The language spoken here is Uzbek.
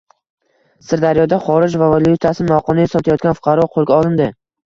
Sirdaryoda xorij valyutasini noqonuniy sotayotgan fuqaro qo‘lga olindi